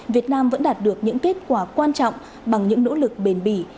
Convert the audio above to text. việt nam vẫn đạt được những kết quả quan trọng bằng những nỗ lực bền bỉ